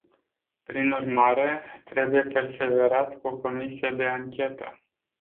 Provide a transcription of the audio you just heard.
Prin urmare, trebuie perseverat cu comisia de anchetă.